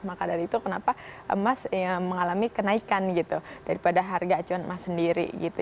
maka dari itu kenapa emas mengalami kenaikan gitu daripada harga acuan emas sendiri gitu